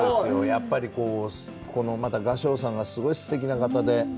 やっぱり雅章さんがすごいすてきな方で。